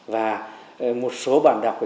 và một số bạn đọc